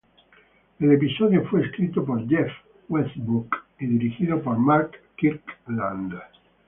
El episodio fue escrito por Jeff Westbrook y dirigido por Mark Kirkland.